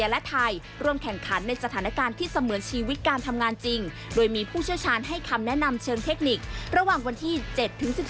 และความปลอดภัยในเคลาดเพื่อเจอกับปัญหาที่ก่อน